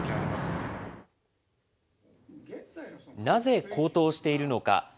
なぜ高騰しているのか。